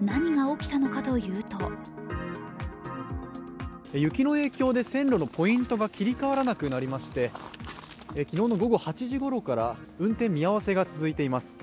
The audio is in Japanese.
何が起きたのかというと雪の影響で線路のポイントが切り替わらなくなりまして、昨日の午後８時ごろから運転見合せが続いています。